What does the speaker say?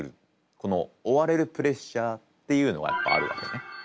この追われるプレッシャーっていうのがやっぱあるわけね。